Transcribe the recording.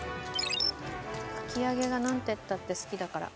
かき揚げがなんてったって好きだから。